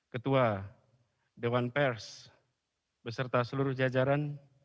ketua dewan pers beserta seluruh jajaran